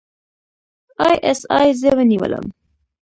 اى ايس اى زه ونیولم.